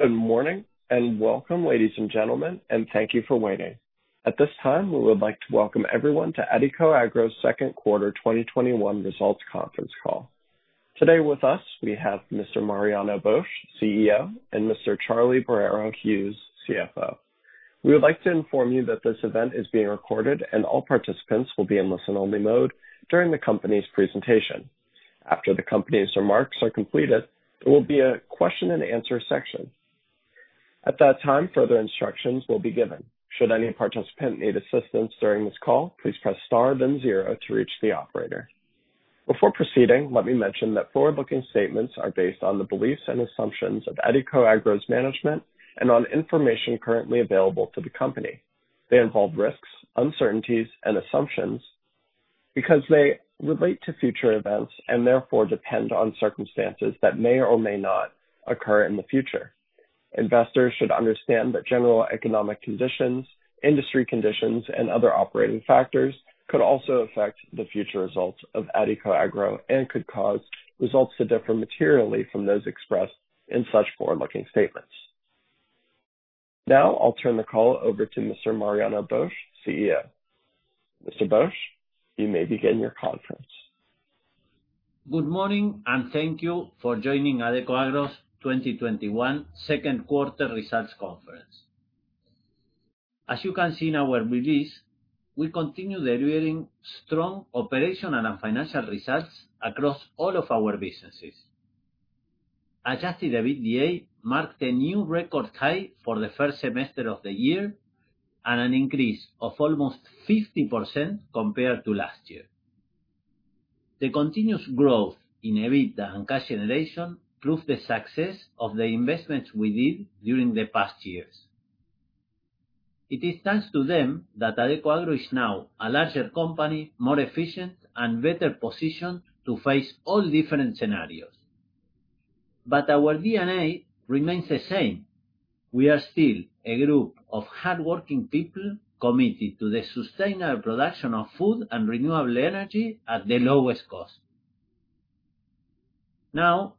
Good morning, and welcome, ladies and gentlemen. Thank you for waiting. At this time, we would like to welcome everyone to Adecoagro's Q2 2021 results conference call. Today with us, we have Mr. Mariano Bosch, CEO, and Mr. Charlie Alberto Boero Hughes, CFO. We would like to inform you that this event is being recorded, and all participants will be in listen-only mode during the company's presentation. After the company's remarks are completed, there will be a question-and-answer section. At that time, further instructions will be given. Should any participant need assistance during this call, please press star then zero to reach the operator. Before proceeding, let me mention that forward-looking statements are based on the beliefs and assumptions of Adecoagro's management and on information currently available to the company. They involve risks, uncertainties, and assumptions because they relate to future events, and therefore depend on circumstances that may or may not occur in the future. Investors should understand that general economic conditions, industry conditions, and other operating factors could also affect the future results of Adecoagro and could cause results to differ materially from those expressed in such forward-looking statements. Now, I'll turn the call over to Mr. Mariano Bosch, CEO. Mr. Bosch, you may begin your conference. Good morning, and thank you for joining Adecoagro's 2021 second quarter results conference. As you can see in our release, we continue delivering strong operational and financial results across all of our businesses. Adjusted EBITDA marked a new record high for the first semester of the year and an increase of almost 50% compared to last year. The continuous growth in EBITDA and cash generation prove the success of the investments we did during the past years. It is thanks to them that Adecoagro is now a larger company, more efficient, and better positioned to face all different scenarios. Our DNA remains the same. We are still a group of hardworking people committed to the sustainable production of food and renewable energy at the lowest cost. Now,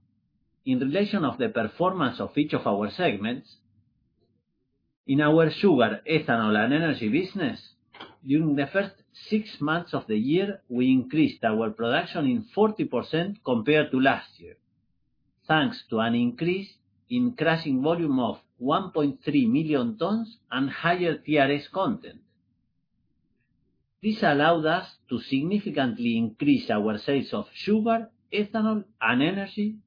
in relation of the performance of each of our segments, in our Sugar, Ethanol, and Energy business, during the first six months of the year, we increased our production in 40% compared to last year, thanks to an increase in crushing volume of 1.3 million tons and higher TRS content. This allowed us to significantly increase our sales of sugar, ethanol, and energy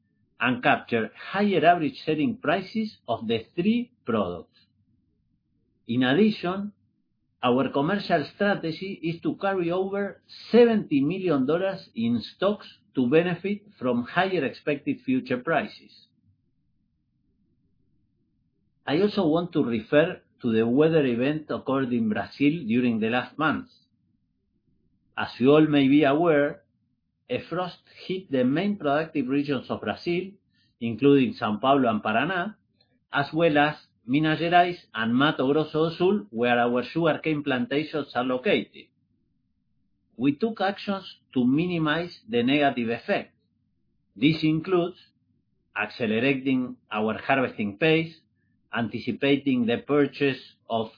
and capture higher average selling prices of the three products. In addition, our commercial strategy is to carry over $70 million in stocks to benefit from higher expected future prices. I also want to refer to the weather event occurred in Brazil during the last month. As you all may be aware, a frost hit the main productive regions of Brazil, including São Paulo and Paraná, as well as Minas Gerais and Mato Grosso do Sul, where our sugarcane plantations are located. We took actions to minimize the negative effects. This includes accelerating our harvesting pace, anticipating the purchase of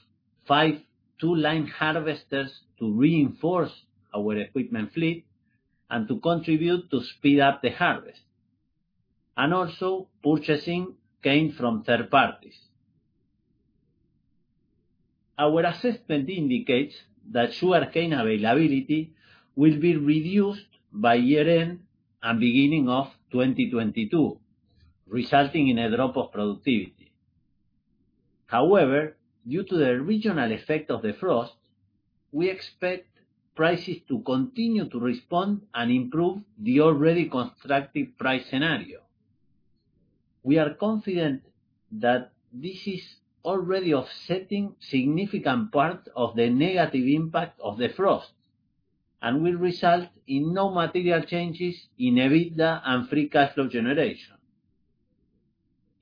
five two-line harvesters to reinforce our equipment fleet and to contribute to speed up the harvest, and also purchasing cane from third parties. Our assessment indicates that sugarcane availability will be reduced by year-end and beginning of 2022, resulting in a drop of productivity. However, due to the regional effect of the frost, we expect prices to continue to respond and improve the already constructive price scenario. We are confident that this is already offsetting significant parts of the negative impact of the frost and will result in no material changes in EBITDA and free cash flow generation.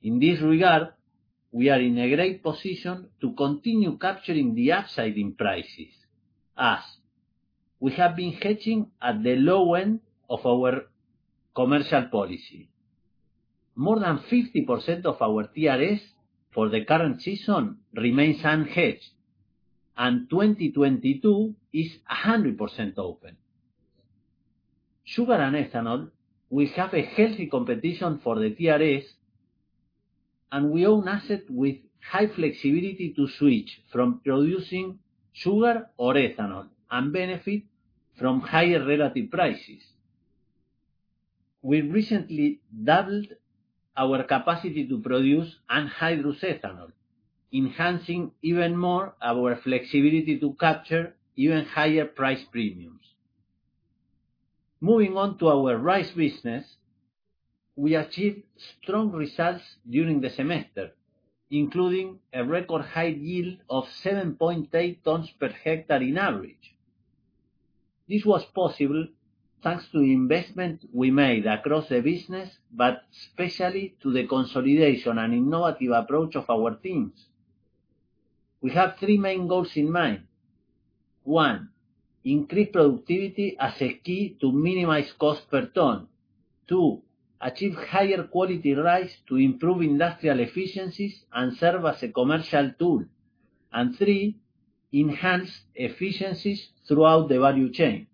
In this regard, we are in a great position to continue capturing the upside in prices as we have been hedging at the low end of our commercial policy. More than 50% of our TRS for the current season remains unhedged, and 2022 is 100% open. Sugar and ethanol will have a healthy competition for the TRS, and we own asset with high flexibility to switch from producing sugar or ethanol and benefit from higher relative prices. We recently doubled our capacity to produce anhydrous ethanol, enhancing even more our flexibility to capture even higher price premiums. Moving on to our Rice business, we achieved strong results during the semester, including a record high yield of 7.8 tons per hectare on average. This was possible thanks to the investment we made across the business but especially to the consolidation and innovative approach of our teams. We have three main goals in mind. One, increase productivity as a key to minimize cost per ton. Two, achieve higher quality rice to improve industrial efficiencies and serve as a commercial tool. Three, enhance efficiencies throughout the value chain.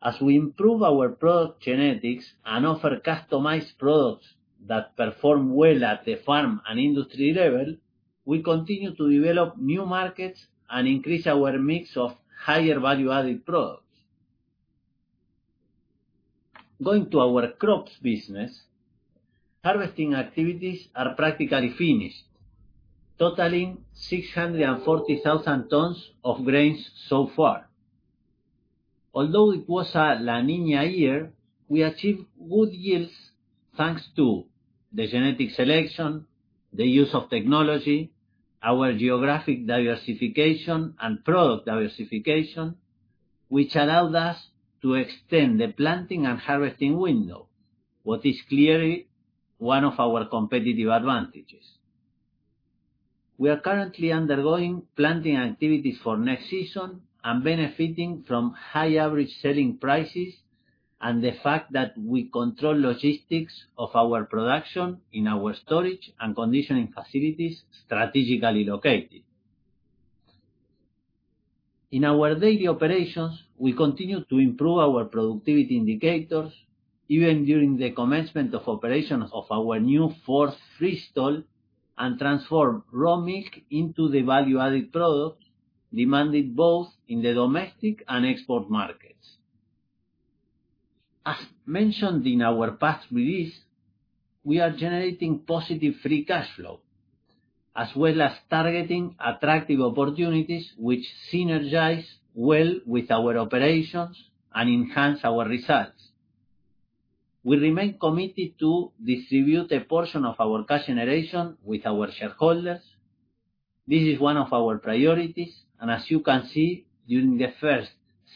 As we improve our product genetics and offer customized products that perform well at the farm and industry level, we continue to develop new markets and increase our mix of higher value-added products. Going to our crops business, harvesting activities are practically finished, totaling 640,000 tons of grains so far. Although it was a La Niña year, we achieved good yields thanks to the genetic selection, the use of technology, our geographic diversification, and product diversification, which allowed us to extend the planting and harvesting window, what is clearly one of our competitive advantages. We are currently undergoing planting activities for next season and benefiting from high average selling prices and the fact that we control logistics of our production in our storage and conditioning facilities, strategically located. In our daily operations, we continue to improve our productivity indicators, even during the commencement of operations of our new fourth free stall, and transform raw milk into the value-added products demanded both in the domestic and export markets. As mentioned in our past release, we are generating positive free cash flow, as well as targeting attractive opportunities which synergize well with our operations and enhance our results. We remain committed to distribute a portion of our cash generation with our shareholders. This is one of our priorities, and as you can see, during the first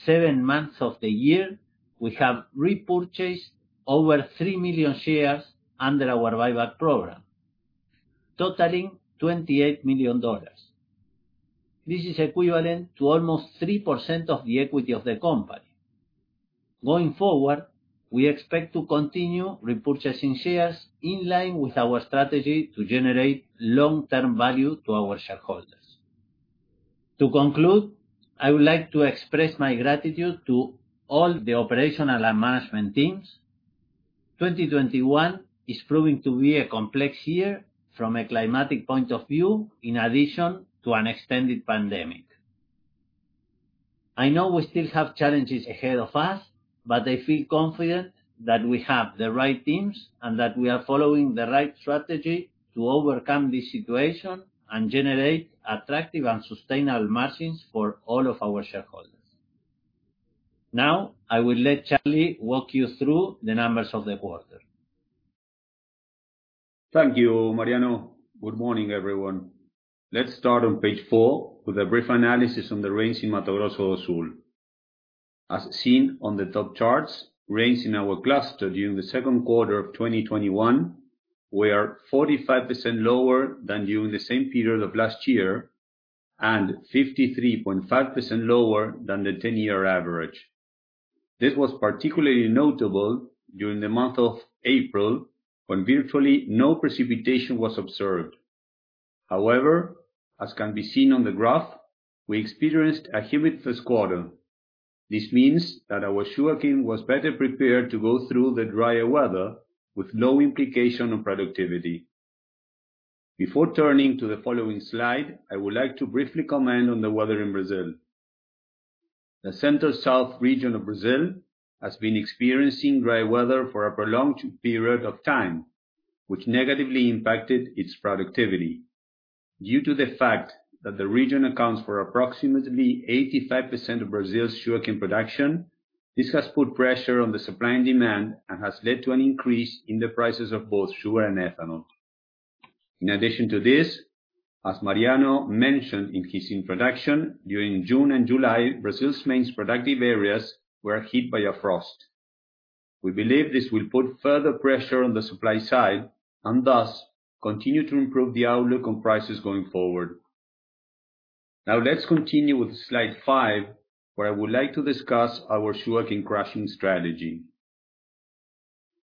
seven months of the year, we have repurchased over 3 million shares under our buyback program, totaling $28 million. This is equivalent to almost 3% of the equity of the company. Going forward, we expect to continue repurchasing shares in line with our strategy to generate long-term value to our shareholders. To conclude, I would like to express my gratitude to all the operational and management teams. 2021 is proving to be a complex year from a climatic point of view, in addition to an extended pandemic. I know we still have challenges ahead of us, but I feel confident that we have the right teams and that we are following the right strategy to overcome this situation and generate attractive and sustainable margins for all of our shareholders. Now, I will let Charlie walk you through the numbers of the quarter. Thank you, Mariano. Good morning, everyone. Let's start on page four with a brief analysis on the rains in Mato Grosso do Sul. As seen on the top charts, rains in our cluster during the second quarter of 2021 were 45% lower than during the same period of last year and 53.5% lower than the 10-year average. This was particularly notable during the month of April, when virtually no precipitation was observed. However, as can be seen on the graph, we experienced a humid first quarter. This means that our sugarcane was better prepared to go through the drier weather with low implication on productivity. Before turning to the following slide, I would like to briefly comment on the weather in Brazil. The Central South region of Brazil has been experiencing dry weather for a prolonged period of time, which negatively impacted its productivity. Due to the fact that the region accounts for approximately 85% of Brazil's sugarcane production, this has put pressure on the supply and demand and has led to an increase in the prices of both sugar and ethanol. In addition to this, as Mariano mentioned in his introduction, during June and July, Brazil's main productive areas were hit by a frost. We believe this will put further pressure on the supply side and thus continue to improve the outlook on prices going forward. Let's continue with slide five, where I would like to discuss our sugarcane crushing strategy.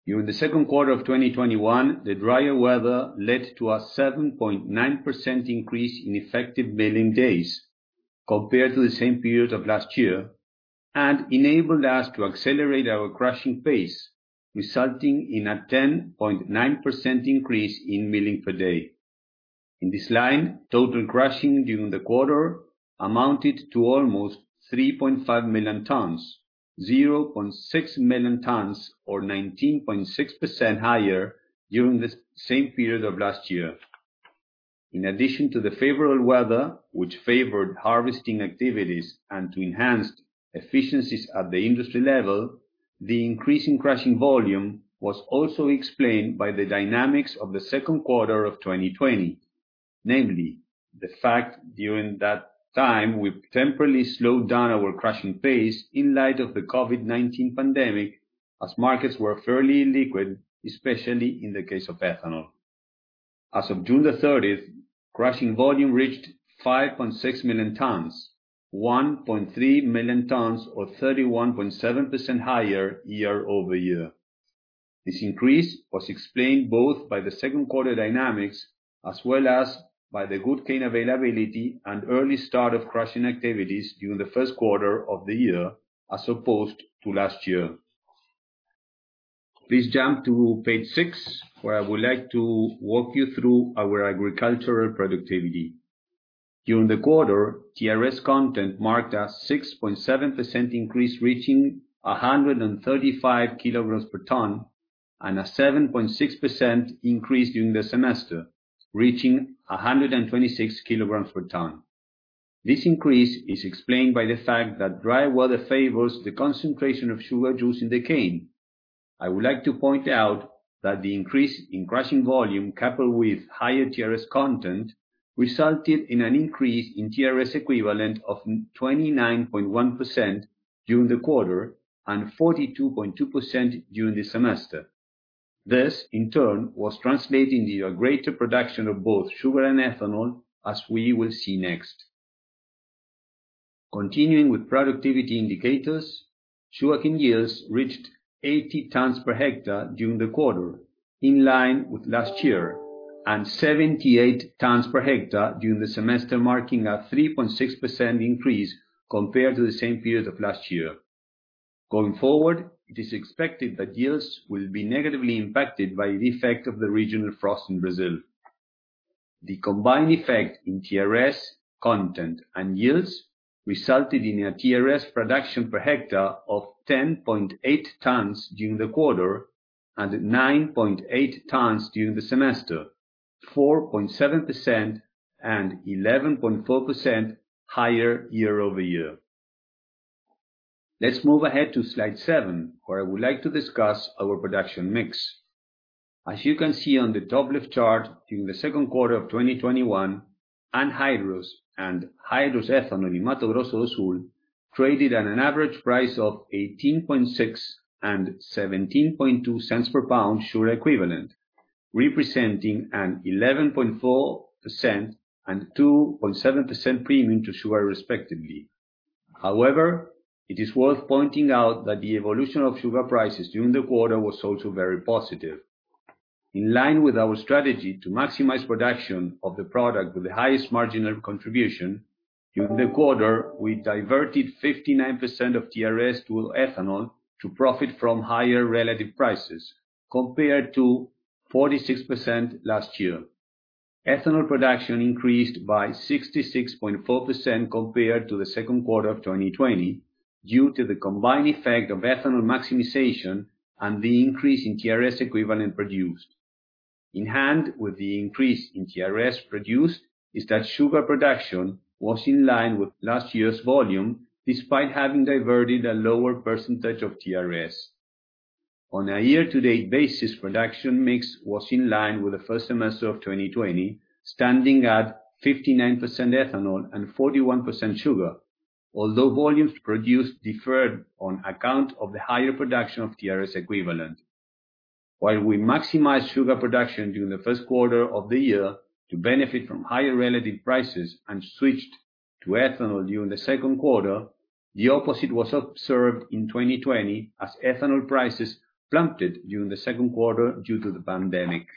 During the second quarter of 2021, the drier weather led to a 7.9% increase in effective milling days compared to the same period of last year, and enabled us to accelerate our crushing pace, resulting in a 10.9% increase in milling per day. In this line, total crushing during the quarter amounted to almost 3.5 million tons, 0.6 million tons, or 19.6% higher during the same period of last year. In addition to the favorable weather, which favored harvesting activities and to enhanced efficiencies at the industry level, the increase in crushing volume was also explained by the dynamics of the second quarter of 2020, namely the fact during that time, we temporarily slowed down our crushing pace in light of the COVID-19 pandemic. As markets were fairly illiquid, especially in the case of ethanol. As of June 30th, crushing volume reached 5.6 million tons, 1.3 million tons, or 31.7% higher year-over-year. This increase was explained both by the second quarter dynamics as well as by the good cane availability and early start of crushing activities during the first quarter of the year as opposed to last year. Please jump to page six, where I would like to walk you through our agricultural productivity. During the quarter, TRS content marked a 6.7% increase, reaching 135 kg per ton, and a 7.6% increase during the semester, reaching 126 kg per ton. This increase is explained by the fact that dry weather favors the concentration of sugar juice in the cane. I would like to point out that the increase in crushing volume, coupled with higher TRS content, resulted in an increase in TRS equivalent of 29.1% during the quarter and 42.2% during the semester. This, in turn, was translated into a greater production of both sugar and ethanol, as we will see next. Continuing with productivity indicators, sugarcane yields reached 80 tons per hectare during the quarter, in line with last year, and 78 tons per hectare during the semester, marking a 3.6% increase compared to the same period of last year. Going forward, it is expected that yields will be negatively impacted by the effect of the regional frost in Brazil. The combined effect in TRS content and yields resulted in a TRS production per hectare of 10.8 tons during the quarter and 9.8 tons during the semester, 4.7% and 11.4% higher year-over-year. Let's move ahead to slide seven, where I would like to discuss our production mix. As you can see on the top left chart, during the second quarter of 2021, anhydrous and hydrous ethanol in Mato Grosso do Sul traded at an average price of $0.186 and $0.172 per pound sugar equivalent, representing an 11.4% and 2.7% premium to sugar respectively. However, it is worth pointing out that the evolution of sugar prices during the quarter was also very positive. In line with our strategy to maximize production of the product with the highest marginal contribution, during the quarter, we diverted 59% of TRS to ethanol to profit from higher relative prices compared to 46% last year. Ethanol production increased by 66.4% compared to the second quarter of 2020 due to the combined effect of ethanol maximization and the increase in TRS equivalent produced. In hand with the increase in TRS produced is that sugar production was in line with last year's volume, despite having diverted a lower percentage of TRS. On a year-to-date basis, production mix was in line with the first semester of 2020, standing at 59% ethanol and 41% sugar, although volumes produced deferred on account of the higher production of TRS equivalent. While we maximized sugar production during the first quarter of the year to benefit from higher relative prices and switched to ethanol during the second quarter, the opposite was observed in 2020 as ethanol prices plummeted during the second quarter due to the pandemic.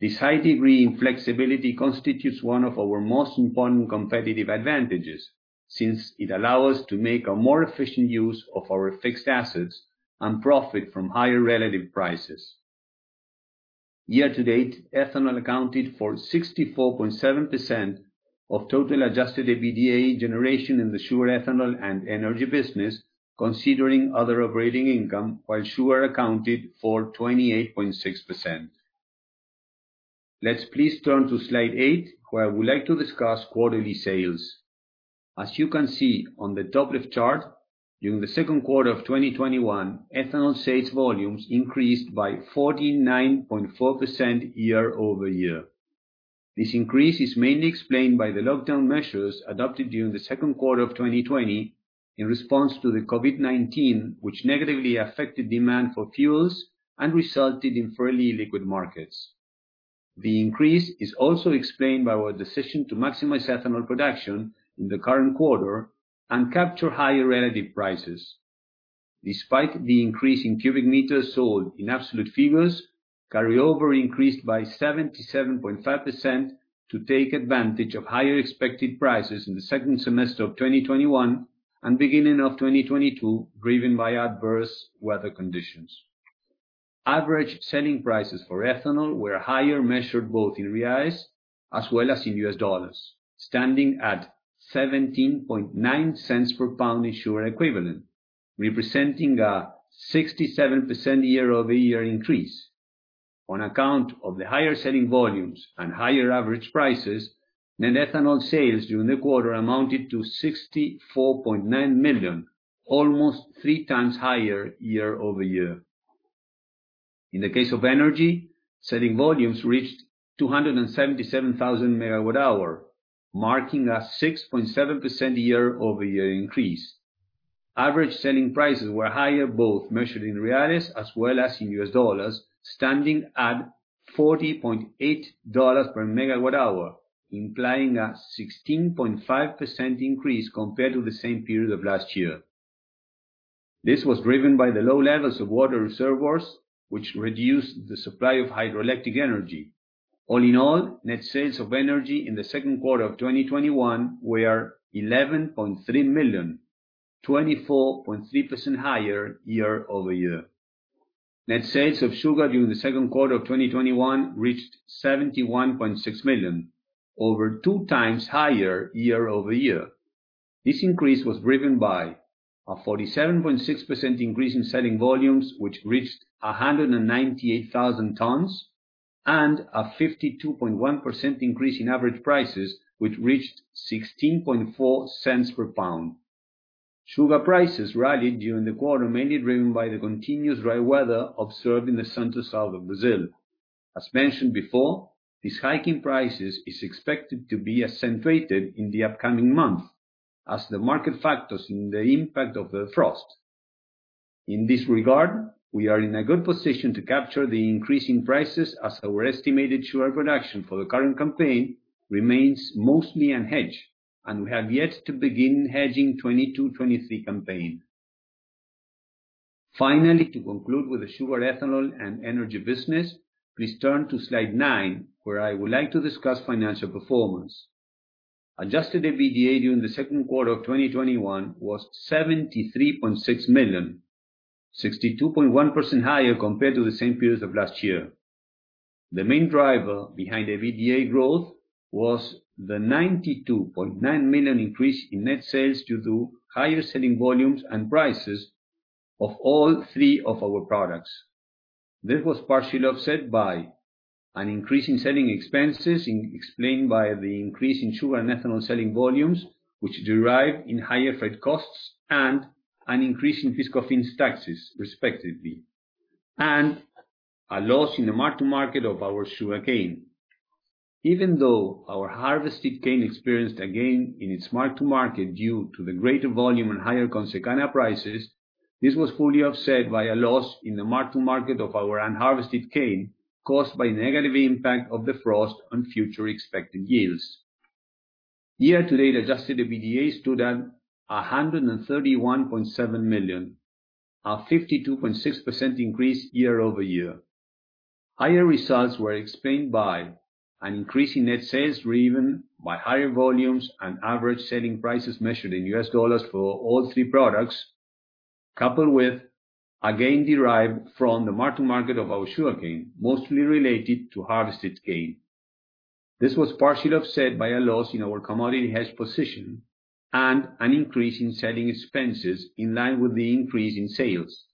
This high degree in flexibility constitutes one of our most important competitive advantages, since it allow us to make a more efficient use of our fixed assets and profit from higher relative prices. Year-to-date, ethanol accounted for 64.7% of total adjusted EBITDA generation in the sugar, ethanol, and energy business, considering other operating income, while sugar accounted for 28.6%. Let's please turn to slide eight, where I would like to discuss quarterly sales. As you can see on the top left chart, during the second quarter of 2021, ethanol sales volumes increased by 49.4% year-over-year. This increase is mainly explained by the lockdown measures adopted during the second quarter of 2020 in response to the COVID-19, which negatively affected demand for fuels and resulted in fairly illiquid markets. The increase is also explained by our decision to maximize ethanol production in the current quarter and capture higher relative prices. Despite the increase in cubic meters sold in absolute figures, carryover increased by 77.5% to take advantage of higher expected prices in the second semester of 2021 and beginning of 2022, driven by adverse weather conditions. Average selling prices for ethanol were higher measured both in reais as well as in U.S. dollars, standing at $0.179 per pound in sugar equivalent, representing a 67% year-over-year increase. On account of the higher selling volumes and higher average prices, net ethanol sales during the quarter amounted to $64.9 million, almost three times higher year-over-year. In the case of energy, selling volumes reached 277,000 MWh, marking a 6.7% year-over-year increase. Average selling prices were higher, both measured in reais as well as in U.S. dollars, standing at $40.8 per MWh, implying a 16.5% increase compared to the same period of last year. This was driven by the low levels of water in reservoirs, which reduced the supply of hydroelectric energy. All in all, net sales of energy in the second quarter of 2021 were $11.3 million, 24.3% higher year-over-year. Net sales of sugar during the second quarter of 2021 reached $71.6 million, over 2x higher year-over-year. This increase was driven by a 47.6% increase in selling volumes, which reached 198,000 tons, and a 52.1% increase in average prices, which reached $0.164 per pound. Sugar prices rallied during the quarter, mainly driven by the continuous dry weather observed in the Central South of Brazil. As mentioned before, this hike in prices is expected to be accentuated in the upcoming months as the market factors in the impact of the frost. In this regard, we are in a good position to capture the increase in prices as our estimated sugar production for the current campaign remains mostly unhedged, and we have yet to begin hedging the 2022-2023 campaign. Finally, to conclude with the sugar, ethanol, and energy business, please turn to slide nine, where I would like to discuss financial performance. Adjusted EBITDA during the second quarter of 2021 was $73.6 million, 62.1% higher compared to the same period of last year. The main driver behind the EBITDA growth was the $92.9 million increase in net sales due to higher selling volumes and prices of all three of our products. This was partially offset by an increase in selling expenses explained by the increase in sugar and ethanol selling volumes, which derive in higher freight costs and an increase in fiscal fees taxes, respectively, and a loss in the mark-to-market of our sugarcane. Even though our harvested cane experienced a gain in its mark-to-market due to the greater volume and higher Consecana prices, this was fully offset by a loss in the mark-to-market of our unharvested cane caused by the negative impact of the frost on future expected yields. Year-to-date adjusted EBITDA stood at $131.7 million, a 52.6% increase year-over-year. Higher results were explained by an increase in net sales driven by higher volumes and average selling prices measured in U.S. dollars for all three products, coupled with a gain derived from the mark-to-market of our sugarcane, mostly related to harvested cane. This was partially offset by a loss in our commodity hedge position and an increase in selling expenses in line with the increase in sales.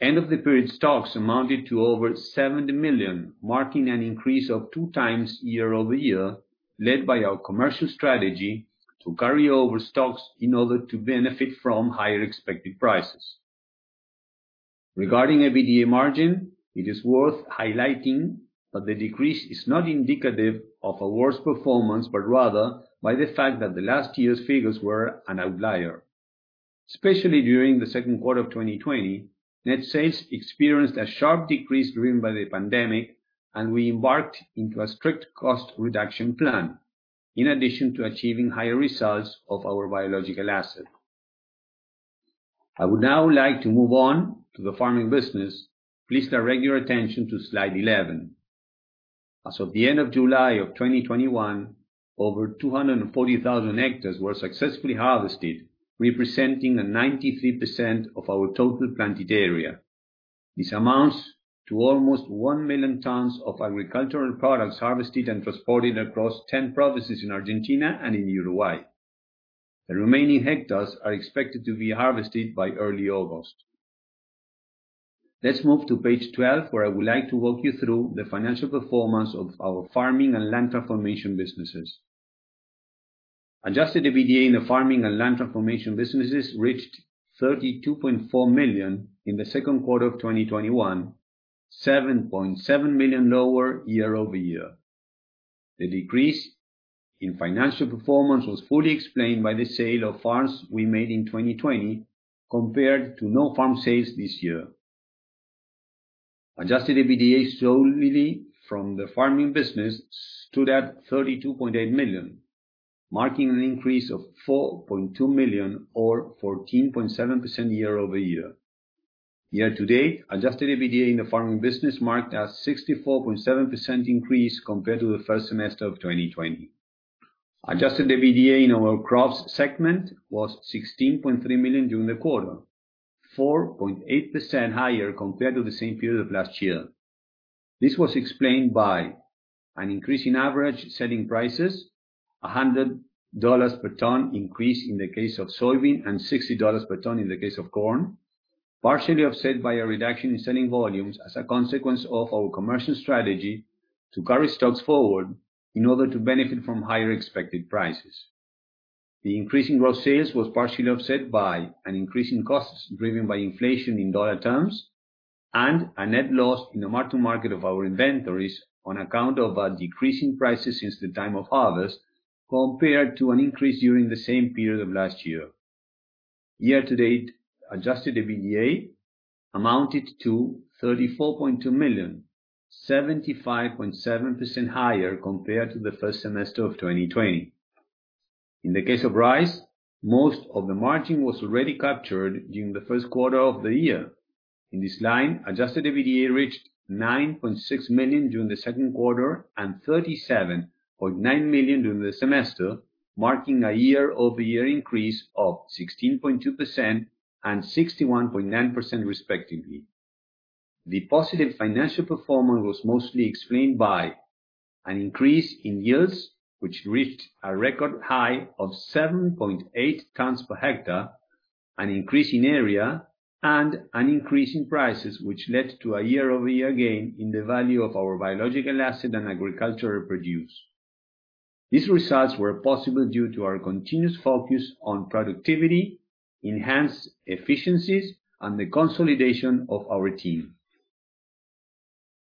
End-of-the-period stocks amounted to over $70 million, marking an increase of 2x year-over-year, led by our commercial strategy to carry over stocks in order to benefit from higher expected prices. Regarding EBITDA margin, it is worth highlighting that the decrease is not indicative of a worse performance, but rather by the fact that last year's figures were an outlier. Especially during the second quarter of 2020, net sales experienced a sharp decrease driven by the pandemic, and we embarked on a strict cost reduction plan in addition to achieving higher results of our biological asset. I would now like to move on to the farming business. Please direct your attention to slide 11. As of the end of July of 2021, over 240,000 hectares were successfully harvested, representing 93% of our total planted area. This amounts to almost 1 million tons of agricultural products harvested and transported across 10 provinces in Argentina and in Uruguay. The remaining hectares are expected to be harvested by early August. Let's move to page 12, where I would like to walk you through the financial performance of our farming and land transformation businesses. Adjusted EBITDA in the farming and land transformation businesses reached $32.4 million in the second quarter of 2021, $7.7 million lower year-over-year. The decrease in financial performance was fully explained by the sale of farms we made in 2020 compared to no farm sales this year. Adjusted EBITDA solely from the farming business stood at $32.8 million, marking an increase of $4.2 million or 14.7% year-over-year. Year-to-date, Adjusted EBITDA in the farming business marked a 64.7% increase compared to the first semester of 2020. Adjusted EBITDA in our Crops segment was $16.3 million during the quarter, 4.8% higher compared to the same period of last year. This was explained by an increase in average selling prices, $100 per ton increase in the case of soybean, and $60 per ton in the case of corn, partially offset by a reduction in selling volumes as a consequence of our commercial strategy to carry stocks forward in order to benefit from higher expected prices. The increase in gross sales was partially offset by an increase in costs driven by inflation in U.S. dollar terms and a net loss in the mark-to-market of our inventories on account of a decrease in prices since the time of harvest, compared to an increase during the same period of last year. Year-to-date adjusted EBITDA amounted to $34.2 million, 75.7% higher compared to the first semester of 2020. In the case of rice, most of the margin was already captured during the first quarter of the year. In this line, adjusted EBITDA reached $9.6 million during the second quarter and $37.9 million during the semester, marking a year-over-year increase of 16.2% and 61.9%, respectively. The positive financial performance was mostly explained by an increase in yields, which reached a record high of 7.8 tons per hectare, an increase in area, and an increase in prices, which led to a year-over-year gain in the value of our biological asset and agricultural produce. These results were possible due to our continuous focus on productivity, enhanced efficiencies, and the consolidation of our team.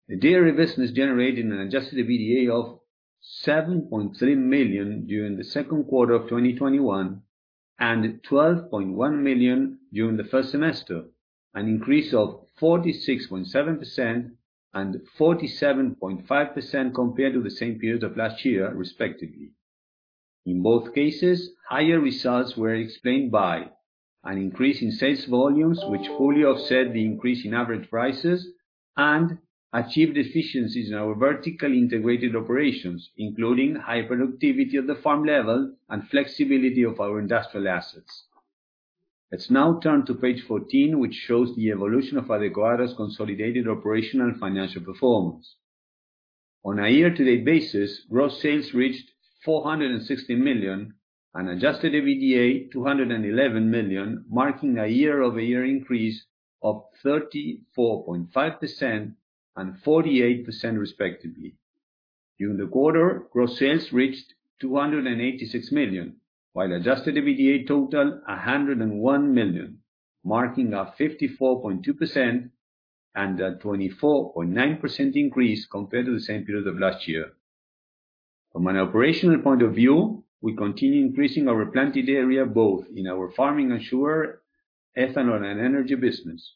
The dairy business generated an adjusted EBITDA of $7.3 million during the second quarter of 2021, and $12.1 million during the first semester, an increase of 46.7% and 47.5% compared to the same period of last year, respectively. In both cases, higher results were explained by an increase in sales volumes, which fully offset the increase in average prices and achieved efficiencies in our vertically integrated operations, including high productivity at the farm level and flexibility of our industrial assets. Let's now turn to page 14, which shows the evolution of Adecoagro's consolidated operational and financial performance. On a year-to-date basis, gross sales reached $460 million and adjusted EBITDA $211 million, marking a year-over-year increase of 34.5% and 48%, respectively. During the quarter, gross sales reached $286 million, while adjusted EBITDA totaled $101 million, marking a 54.2% and a 24.9% increase compared to the same period of last year. From an operational point of view, we continue increasing our planted area, both in our farming and sugar, ethanol, and energy business.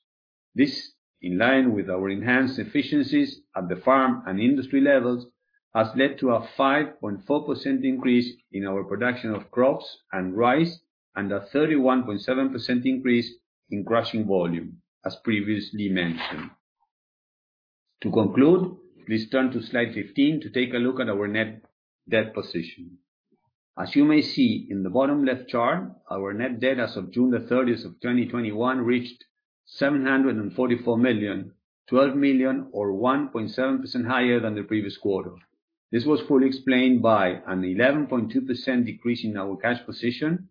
This, in line with our enhanced efficiencies at the farm and industry levels, has led to a 5.4% increase in our production of crops and rice and a 31.7% increase in crushing volume, as previously mentioned. To conclude, please turn to slide 15 to take a look at our net debt position. As you may see in the bottom left chart, our net debt as of June the 30th of 2021 reached $744 million, $12 million, or 1.7% higher than the previous quarter. This was fully explained by an 11.2% decrease in our cash position.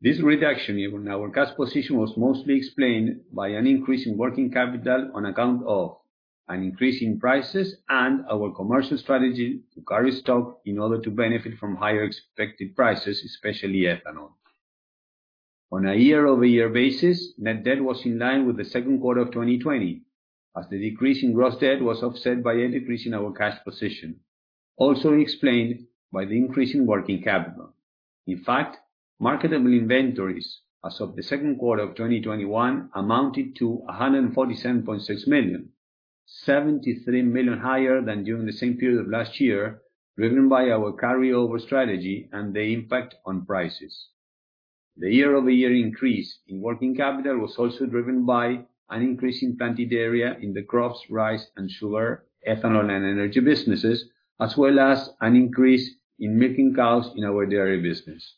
This reduction in our cash position was mostly explained by an increase in working capital on account of an increase in prices and our commercial strategy to carry stock in order to benefit from higher expected prices, especially ethanol. On a year-over-year basis, net debt was in line with the second quarter of 2020, as the decrease in gross debt was offset by a decrease in our cash position, also explained by the increase in working capital. In fact, marketable inventories as of the second quarter of 2021 amounted to $147.6 million, $73 million higher than during the same period of last year, driven by our carryover strategy and the impact on prices. The year-over-year increase in working capital was also driven by an increase in planted area in the crops, rice, and sugar, ethanol, and energy businesses, as well as an increase in milking cows in our dairy business.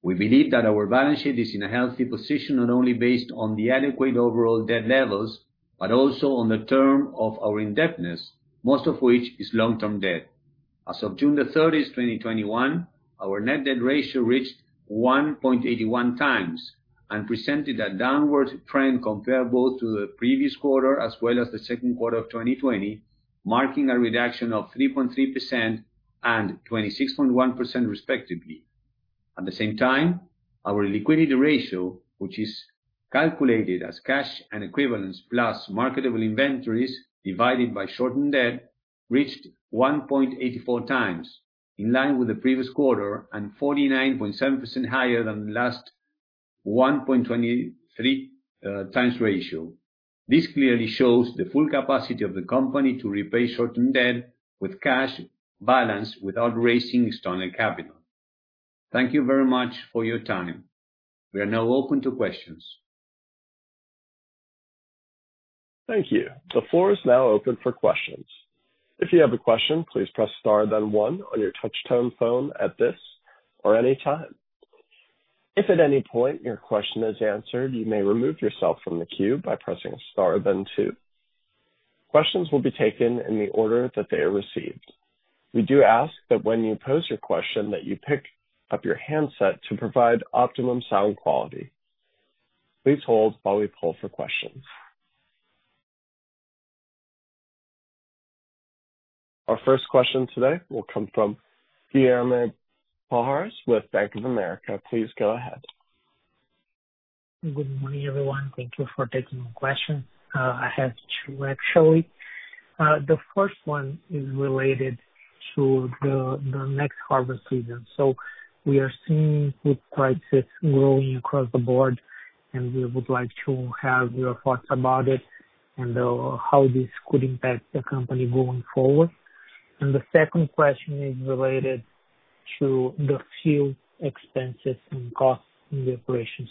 We believe that our balance sheet is in a healthy position, not only based on the adequate overall debt levels, but also on the term of our indebtedness, most of which is long-term debt. As of June the 30th, 2021, our net debt ratio reached 1.81x and presented a downward trend compared both to the previous quarter as well as the second quarter of 2020, marking a reduction of 3.3% and 26.1%, respectively. At the same time, our liquidity ratio, which is calculated as cash and equivalents plus marketable inventories divided by short-term debt, reached 1.84x, in line with the previous quarter and 49.7% higher than last 1.23x ratio. This clearly shows the full capacity of the company to repay short-term debt with cash balance without raising external capital. Thank you very much for your time. We are now open to questions. Thank you. The floor is now open for questions. If you have a question press star then one on your touchtone phone at this or any time. If at any point your question has been answered you may remove yourself from the queue by pressing star then two. Question will be taking in the order of they are receive. We do ask when you pose a question you pick up your handset to provide optimum sound quality. Please hold while we call for questions. Our first question today will come from Guilherme Palhares with Bank of America. Please go ahead. Good morning, everyone. Thank you for taking my question. I have two, actually. The first one is related to the next harvest season. We are seeing food prices growing across the board, and we would like to have your thoughts about it and how this could impact the company going forward. The second question is related to the fuel expenses and costs in the operation.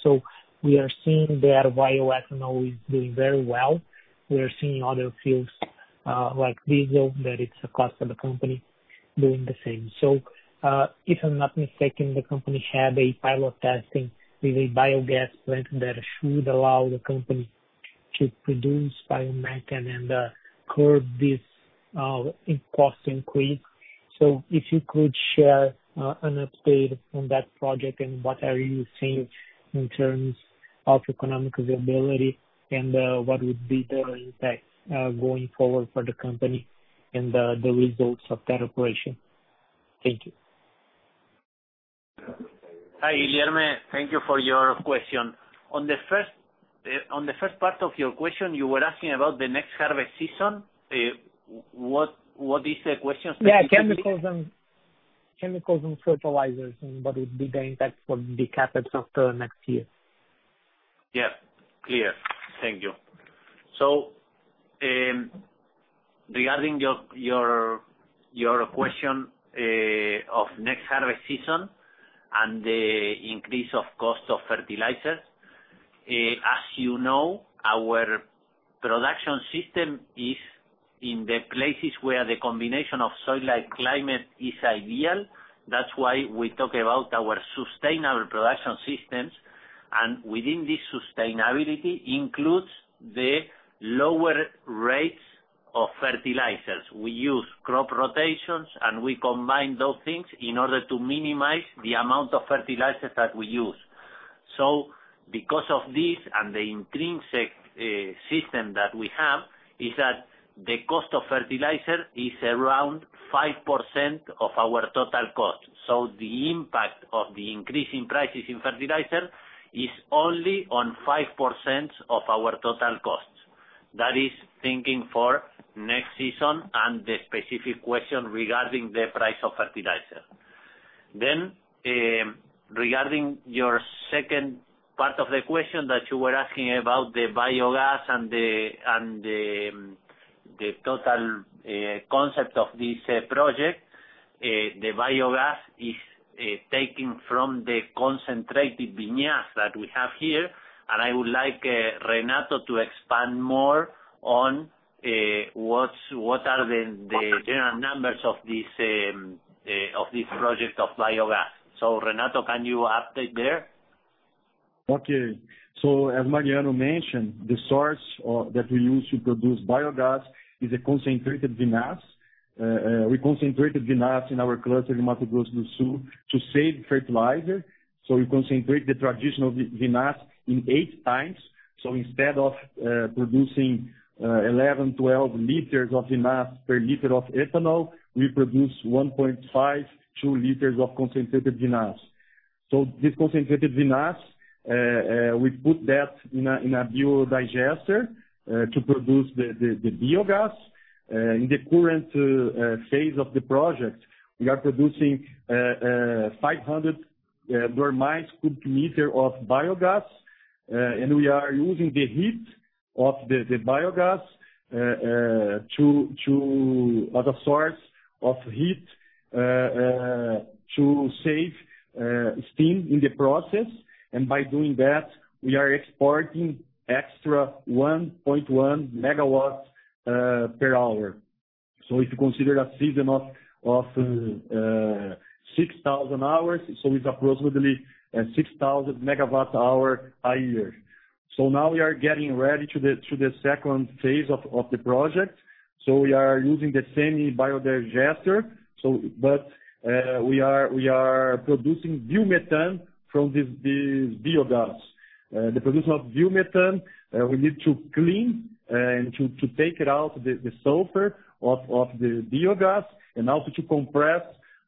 We are seeing that bioethanol is doing very well. We are seeing other fuels, like diesel, that it's a cost of the company, doing the same. If I'm not mistaken, the company had a pilot testing with a biogas plant that should allow the company to produce biomethane and curb this cost increase. If you could share an update on that project and what are you seeing in terms of economic viability, and what would be the impact going forward for the company and the results of that operation. Thank you. Hi, Guilherme. Thank you for your question. On the first part of your question, you were asking about the next harvest season. What is the question specifically? Yeah, chemicals and fertilizers and what would be the impact for the CapEx of the next year? Yeah. Clear. Thank you. Regarding your question of next harvest season and the increase of cost of fertilizers. As you know, our production system is in the places where the combination of soil and climate is ideal. That's why we talk about our sustainable production systems. Within this sustainability includes the lower rates of fertilizers. We use crop rotations, and we combine those things in order to minimize the amount of fertilizers that we use. Because of this, and the intrinsic system that we have, is that the cost of fertilizer is around 5% of our total cost. The impact of the increase in prices in fertilizer is only on 5% of our total cost. That is thinking for next season and the specific question regarding the price of fertilizer. Regarding your second part of the question that you were asking about the biogas and the total concept of this project. The biogas is taken from the concentrated vinasse that we have here, and I would like Renato to expand more on what are the general numbers of this project of biogas. Renato, can you update there? Okay. As Mariano mentioned, the source that we use to produce biogas is a concentrated vinasse. We concentrate the vinasse in our cluster in Mato Grosso do Sul to save fertilizer. We concentrate the traditional vinasse in 8x. Instead of producing 11 L, 12 L of vinasse per liter of ethanol, we produce 1.5 L, 2 L of concentrated vinasse. This concentrated vinasse, we put that in a biodigester, to produce the biogas. In the current phase of the project, we are producing 500 normal cu m of biogas. We are using the heat of the biogas as a source of heat to save steam in the process. By doing that, we are exporting extra 1.1 MWh. If you consider a season of 6,000 hours, it's approximately 6,000 MWh a year. Now we are getting ready to the second phase of the project. We are using the same biodigester, but we are producing biomethane from this biogas. The production of biomethane, we need to clean and to take out the sulfur off the biogas and also to compress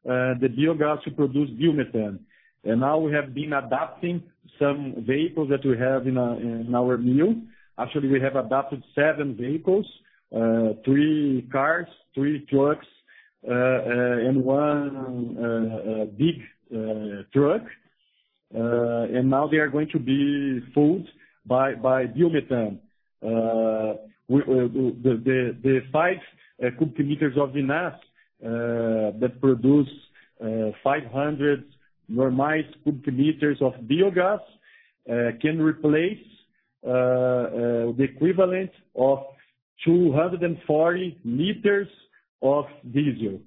the biogas to produce biomethane. Now we have been adapting some vehicles that we have in our mill. Actually, we have adapted seven vehicles, three cars, three trucks, and one big truck. Now they are going to be fueled by biomethane. The 5 cu m of vinasse that produce 500 normal cu m of biogas can replace the equivalent of 240 L of diesel.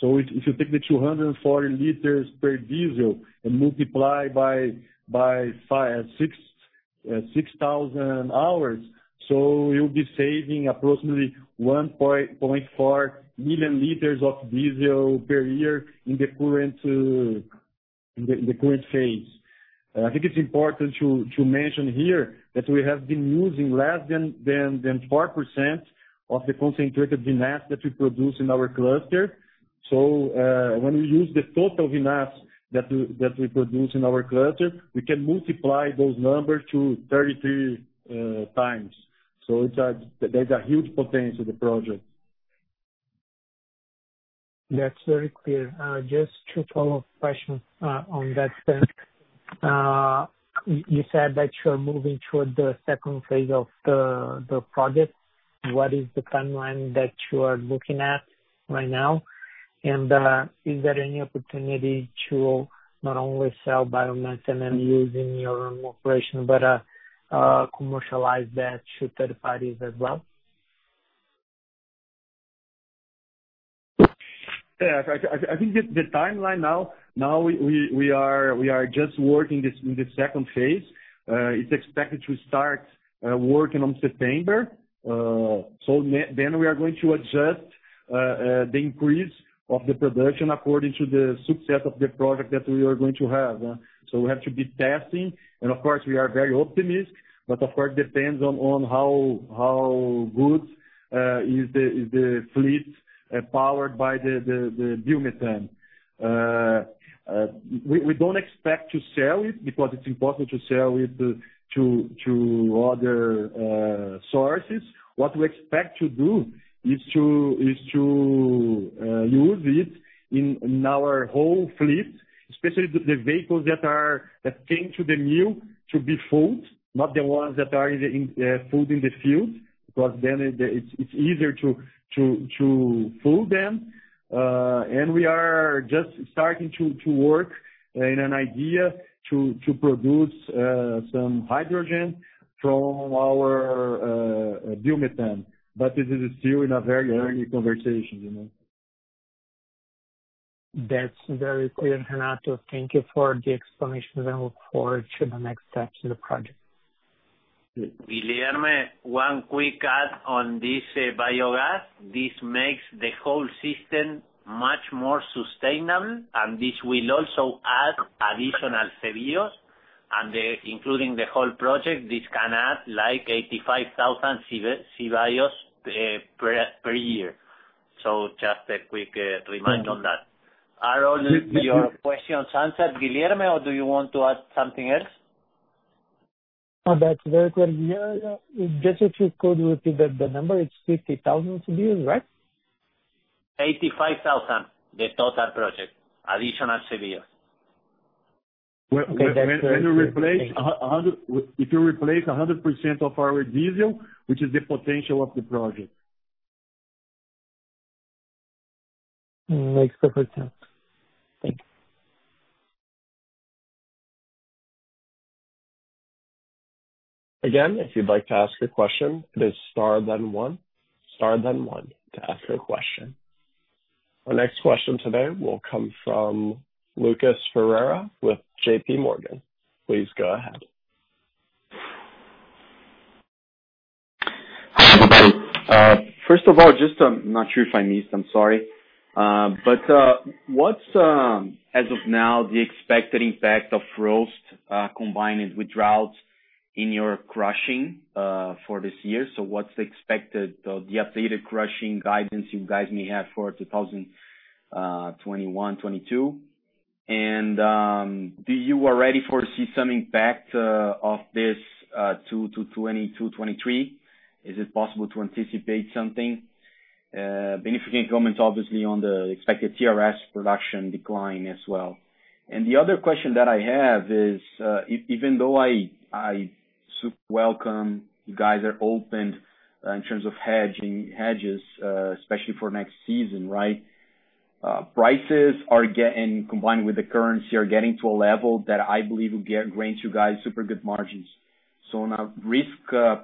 If you take the 240 L per diesel and multiply by 6,000 hours, you'll be saving approximately 1.4 million liters of diesel per year in the current phase. I think it's important to mention here that we have been using less than 4% of the concentrated biogas that we produce in our cluster. When we use the total biogas that we produce in our cluster, we can multiply those numbers to 33 times. There's a huge potential to the project. That's very clear. Just two follow-up questions on that. You said that you are moving toward the second phase of the project. What is the timeline that you are looking at right now? Is there any opportunity to not only sell biomethane and use in your own operation, but commercialize that to third parties as well? Yeah. I think the timeline now, we are just working in the second phase. It's expected to start working on September. We are going to adjust the increase of the production according to the success of the project that we are going to have. We have to be testing, and of course, we are very optimistic, but of course, depends on how good is the fleet powered by the biomethane. We don't expect to sell it, because it's impossible to sell it to other sources. What we expect to do is to use it in our whole fleet, especially the vehicles that came to the mill to be fueled, not the ones that are in the field, because then it's easier to fuel them. We are just starting to work in an idea to produce some hydrogen from our biomethane. This is still in a very early conversation. That's very clear, Renato. Thank you for the explanation, and I look forward to the next steps of the project. Guilherme, one quick add on this biogas. This makes the whole system much more sustainable, and this will also add additional CBios and including the whole project, this can add like 85,000 CBios per year. Just a quick reminder on that. Are all your questions answered, Guilherme, or do you want to add something else? No, that's very clear. Just if you could repeat the number, it's 50,000 CBios, right? 85,000 CBios. The total project. Additional CBios. Okay, that's clear. Thank you. If you replace 100% of our diesel, which is the potential of the project. Makes perfect sense. Thank you. Again if you'd like to ask a question, it is star then one. Star then one to ask a question. Our next question today will come from Lucas Ferreira with JPMorgan. Please go ahead. Hi, everybody. First of all, I am not sure if I missed, I am sorry. What's as of now the expected impact of frost combined with droughts in your crushing for this year? What's the updated crushing guidance you guys may have for 2021-2022? Do you already foresee some impact of this to 2022-2023? Is it possible to anticipate something? Significant comments, obviously, on the expected TRS production decline as well. The other question that I have is, even though I welcome you guys are open in terms of hedges, especially for next season, right? Prices combined with the currency, are getting to a level that I believe will grant you guys super good margins. On a risk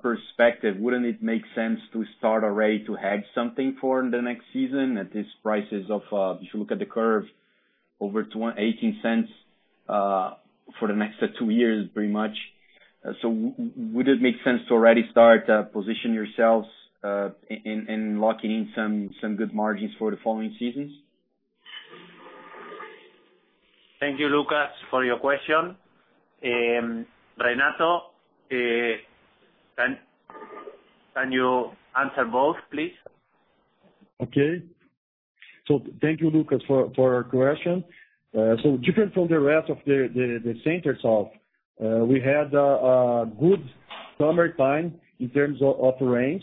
perspective, wouldn't it make sense to start already to hedge something for the next season at these prices of, if you look at the curve, over $0.18 for the next two years pretty much. Would it make sense to already start position yourselves in locking in some good margins for the following seasons? Thank you, Lucas, for your question. Renato, can you answer both, please? Okay. Thank you, Lucas, for your question. Different from the rest of the Center-South, we had a good summertime in terms of rains.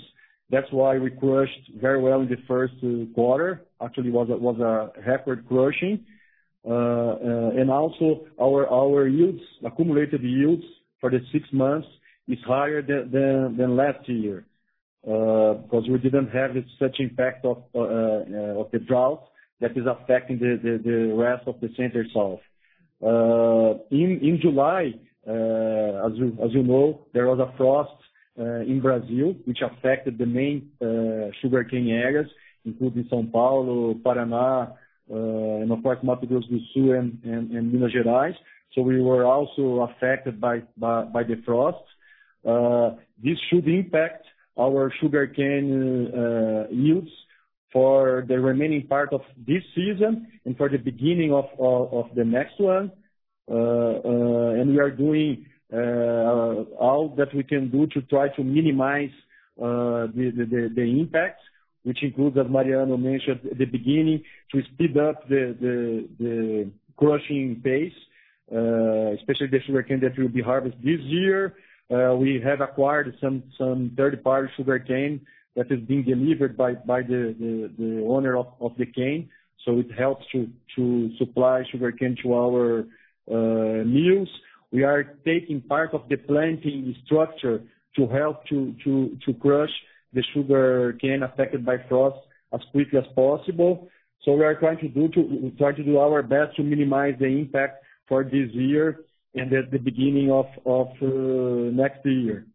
That's why we crushed very well in the 1st quarter. Actually, it was a record crushing. Our accumulated yields for the six months is higher than last year, because we didn't have such impact of the drought that is affecting the rest of the Center-South. In July, as you know, there was a frost in Brazil which affected the main sugarcane areas, including São Paulo, Paraná, and of course Mato Grosso do Sul and Minas Gerais. We were also affected by the frost. This should impact our sugarcane yields for the remaining part of this season and for the beginning of the next one. We are doing all that we can do to try to minimize the impact, which includes, as Mariano mentioned at the beginning, to speed up the crushing pace, especially the sugarcane that will be harvested this year. We have acquired some third-party sugarcane that is being delivered by the owner of the cane, so it helps to supply sugarcane to our mills. We are taking part of the planting structure to help to crush the sugarcane affected by frost as quickly as possible. We are trying to do our best to minimize the impact for this year and at the beginning of next year.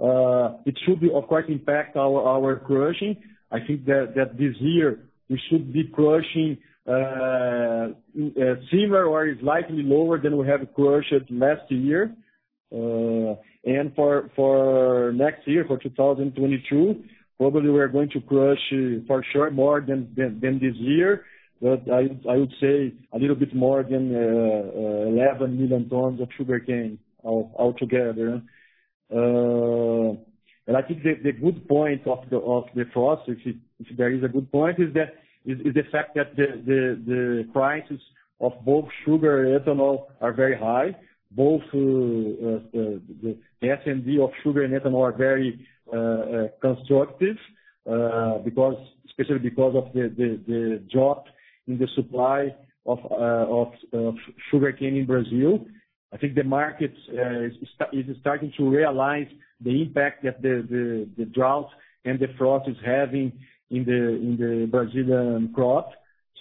It should of course impact our crushing. I think that this year we should be crushing similar or slightly lower than we have crushed last year. For next year, for 2022, probably we are going to crush for sure more than this year. I would say a little bit more than 11 million tons of sugarcane altogether. I think the good point of the frost, if there is a good point, is the fact that the prices of both sugar and ethanol are very high. Both the S&D of sugar and ethanol are very constructive, especially because of the drop in the supply of sugarcane in Brazil. I think the market is starting to realize the impact that the drought and the frost is having in the Brazilian crop.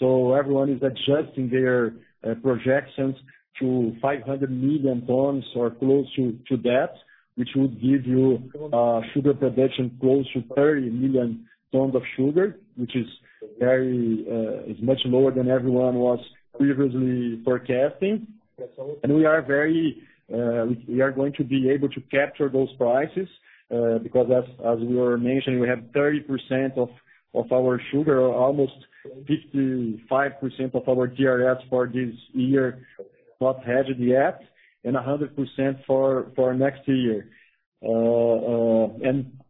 Everyone is adjusting their projections to 500 million tons, or close to that, which would give you sugar production close to 30 million tons of sugar, which is much lower than everyone was previously forecasting. We are going to be able to capture those prices, because as we were mentioning, we have 30% of our sugar, almost 55% of our TRS for this year not hedged yet, and 100% for next year.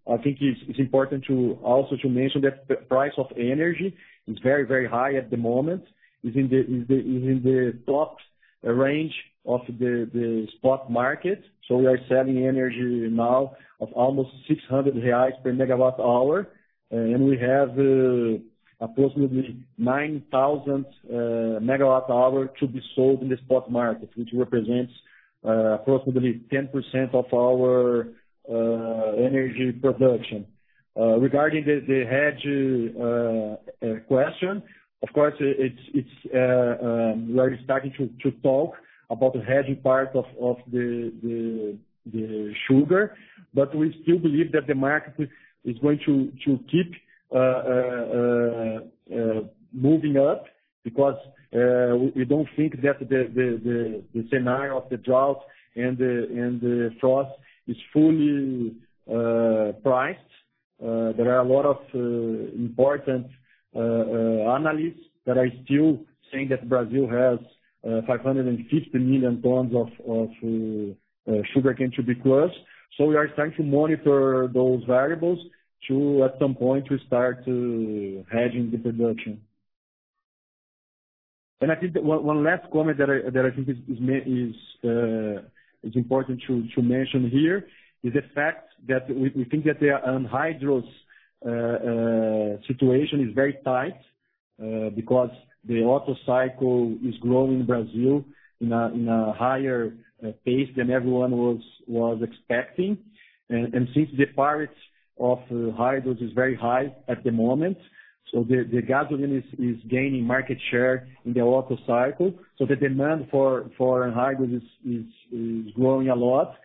I think it's important also to mention that the price of energy is very, very high at the moment. It's in the top range of the spot market. We are selling energy now of almost 600 reais per MWh. We have approximately 9,000 MW to be sold in the spot market, which represents approximately 10% of our energy production. Regarding the hedge question, of course, we are starting to talk about the hedging part of the sugar, but we still believe that the market is going to keep moving up because we don't think that the scenario of the drought and the frost is fully priced. There are a lot of important analysts that are still saying that Brazil has 550 million tons of sugarcane to be crushed. We are starting to monitor those variables to, at some point, start hedging the production. I think one last comment that I think is important to mention here, is the fact that we think that the anhydrous situation is very tight because the Otto cycle is growing in Brazil in a higher pace than everyone was expecting. Since the price of hydrous is very high at the moment, so the gasoline is gaining market share in the Otto cycle. The demand for anhydrous is growing a lot,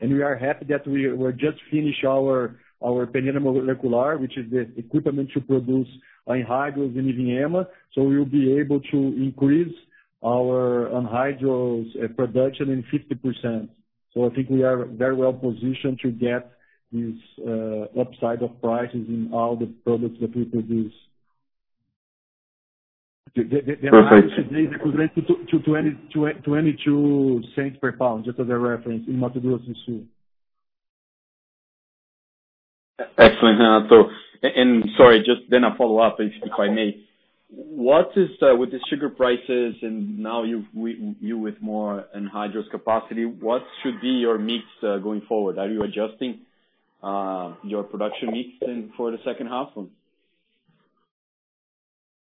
and we are happy that we will just finish our peneira molecular, which is the equipment to produce anhydrous in Ivinhema. We'll be able to increase our anhydrous production in 50%. I think we are very well positioned to get this upside of prices in all the products that we produce. Perfect. The anhydrous today is equivalent to $0.22 per pound, just as a reference, in Mato Grosso do Sul. Excellent, Renato. Sorry, just then a follow-up, if I may? With the sugar prices and now you with more anhydrous capacity, what should be your mix going forward? Are you adjusting your production mix for the second half?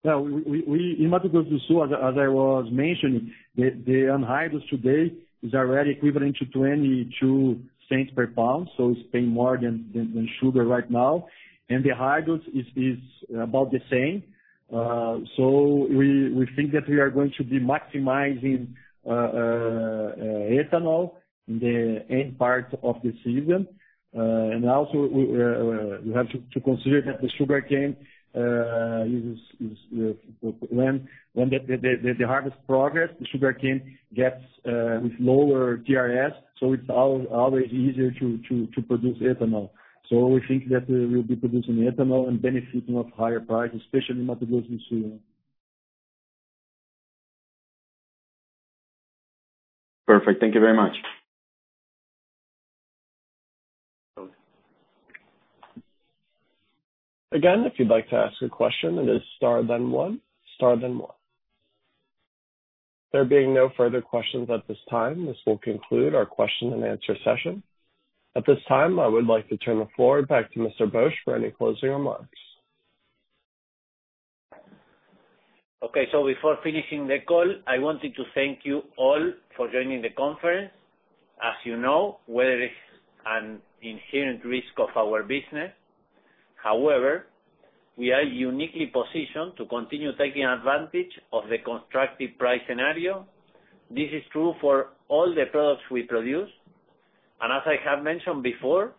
In Mato Grosso do Sul, as I was mentioning, the anhydrous today is already equivalent to $0.22 per pound, so it's paying more than sugar right now. The hydrous is about the same. We think that we are going to be maximizing ethanol in the end part of the season. Also, we have to consider that the sugarcane, when the harvest progress, the sugarcane gets with lower TRS, so it's always easier to produce ethanol. We think that we'll be producing ethanol and benefiting of higher prices, especially in Mato Grosso do Sul. Perfect. Thank you very much. Again, if you'd like to ask a question, it is star then one. Star then one. There being no further questions at this time, this will conclude our question and answer session. At this time, I would like to turn the floor back to Mr. Bosch for any closing remarks. Before finishing the call, I wanted to thank you all for joining the conference. As you know, weather is an inherent risk of our business. However, we are uniquely positioned to continue taking advantage of the constructive price scenario. This is true for all the products we produce. As I have mentioned before,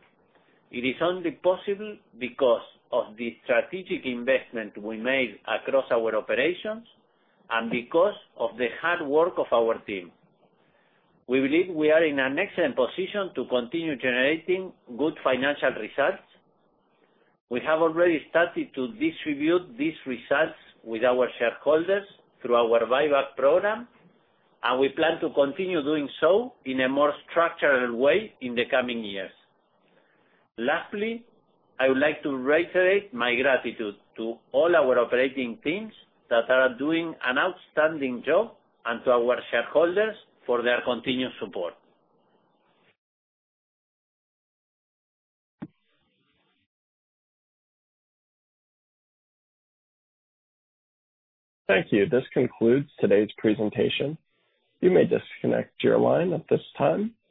it is only possible because of the strategic investment we made across our operations and because of the hard work of our team. We believe we are in an excellent position to continue generating good financial results. We have already started to distribute these results with our shareholders through our buyback program, and we plan to continue doing so in a more structured way in the coming years. Lastly, I would like to reiterate my gratitude to all our operating teams that are doing an outstanding job, and to our shareholders for their continued support. Thank you. This concludes today's presentation. You may disconnect your line at this time.